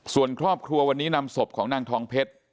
ส่วนครอบครัววันนี้นำศพของนางทองเพชร